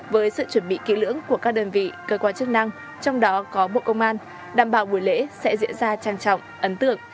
với sự chuẩn bị kỹ lưỡng của các đơn vị cơ quan chức năng trong đó có bộ công an đảm bảo buổi lễ sẽ diễn ra trang trọng ấn tượng